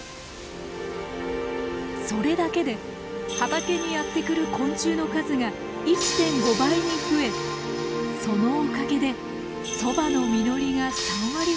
それだけで畑にやって来る昆虫の数が１．５倍に増えそのおかげでソバの実りが３割ほど増えたのです。